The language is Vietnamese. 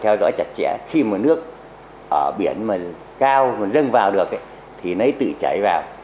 theo dõi chặt chẽ khi mà nước ở biển mà cao mà dâng vào được thì mới tự chảy vào